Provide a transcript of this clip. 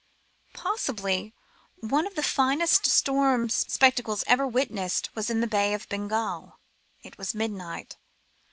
Possibly one of the finest storm spectacles ever witnessed was in the Bay of Bengal. It was midnight.